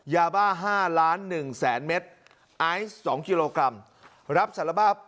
ยาบ้า๕๑๐๐๐๐๐เมตรไอซ์๒กิโลกรัม